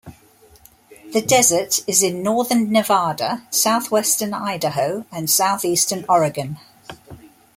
The desert is in northern Nevada, southwestern Idaho and southeastern Oregon.